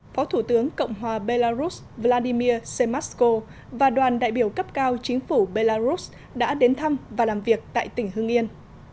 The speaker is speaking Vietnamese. phó thủ tướng cộng hòa belarus vladimir semesko và đoàn đại biểu cấp cao chính phủ belarus đã đến thăm và làm việc tại tỉnh hưng yên